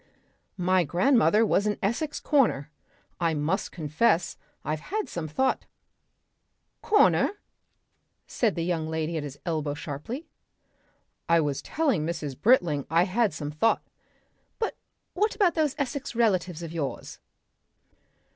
My grandmother was an Essex Corner, I must confess I've had some thought " "Corner?" said the young lady at his elbow sharply. "I was telling Mrs. Britling I had some thought " "But about those Essex relatives of yours?"